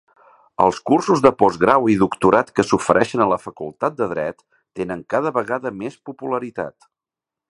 Els cursos de postgrau i doctorat que s'ofereixen a la Facultat de Dret tenen cada vegada més popularitat.